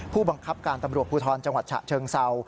ผู้บังคับการตำรวจภูทรจังหวัดฉะเชิงเศร้า